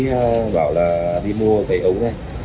tác sĩ bảo là đi mua tẩy ống đấy